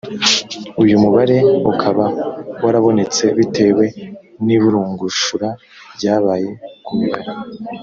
uyumubare ukaba warabonetse bitewe n ‘iburungushura ryabaye ku mibare.